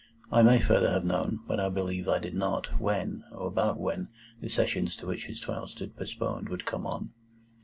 I may further have known, but I believe I did not, when, or about when, the Sessions to which his trial stood postponed would come on.